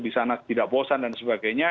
di sana tidak bosan dan sebagainya